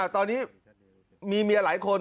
ตอนนี้มีเมียหลายคน